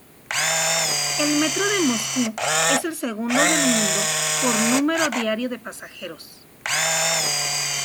El metro de Moscú es el segundo del mundo por número diario de pasajeros.